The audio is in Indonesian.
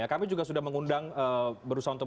kami juga sudah mengundang berusaha untuk